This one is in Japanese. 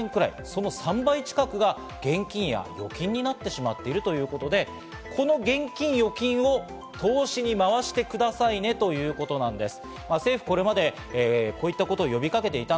その３倍近くが現金や預金になってしまっているということで、この現金・預金を投資にまわしてくださいねということなんです。